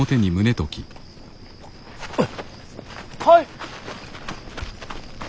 はい。